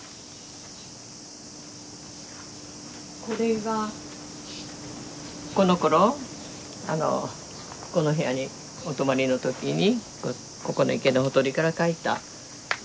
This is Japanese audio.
これがこのころあのこの部屋にお泊まりの時にここの池のほとりから描いた。